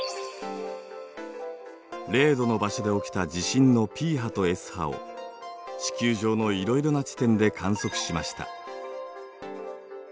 ０°の場所で起きた地震のＰ波とＳ波を地球上のいろいろな地点で観測しました。